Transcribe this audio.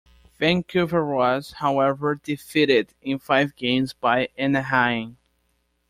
Vancouver was, however, defeated in five games by Anaheim.